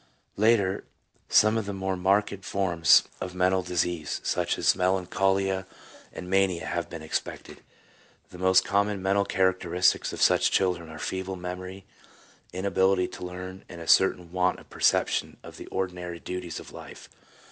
Later, some of the more marked forms of mental disease, such as melancholia and mania, may be expected. The most common mental characteristics of such children are feeble memory, inability to learn, and a certain want of perception of the ordinary duties of life.